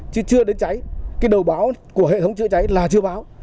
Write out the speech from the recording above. chứ chưa đến cháy cái đầu báo của hệ thống chữa cháy là chưa báo